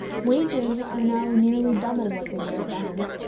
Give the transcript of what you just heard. Wages are now nearly double what they were then.